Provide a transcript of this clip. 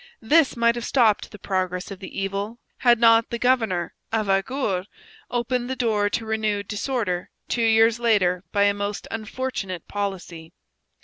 This might have stopped the progress of the evil had not the governor Avaugour opened the door to renewed disorder two years later by a most unfortunate policy.